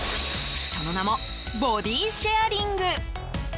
その名も、ボディシェアリング。